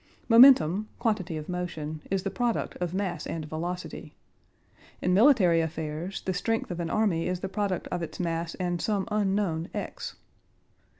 Momentum (quantity of motion) is the product of mass and velocity. In military affairs the strength of an army is the product of its mass and some unknown x.